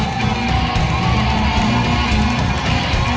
ครับผม